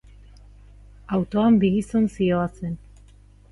Autoan bi gizon zihoazen.